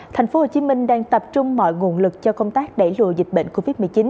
thành phố hồ chí minh đang tập trung mọi nguồn lực cho công tác đẩy lùa dịch bệnh covid một mươi chín